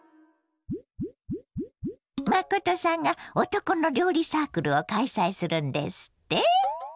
真さんが男の料理サークルを開催するんですって。